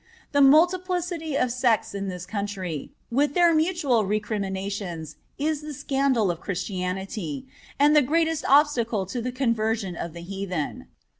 The multiplicity of sects in this country, with their mutual recriminations, is the scandal of Christianity, and the greatest obstacle to the conversion of the heathen.